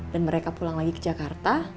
dan mereka pulang lagi ke jakarta